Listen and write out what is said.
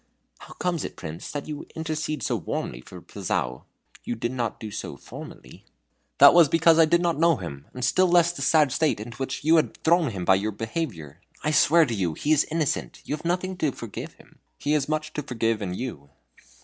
"How comes it, Prince, that you intercede so warmly for Pilzou? You did not do so formerly." "That was because I did not know him, and still less the sad state into which you have thrown him by your behavior. I swear to you he is innocent you have nothing to forgive in him he has much to forgive in you."